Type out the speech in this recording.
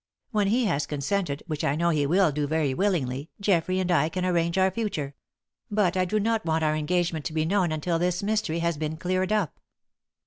When he has consented, which I know he will do very willingly, Geoffrey and I can arrange our future. But I do not want our engagement to be known until this mystery has been cleared up.